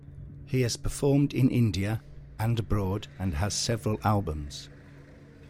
He has performed in India and abroad and has several albums.